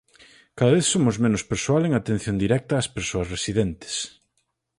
Cada vez somos menos persoal en atención directa ás persoas residentes.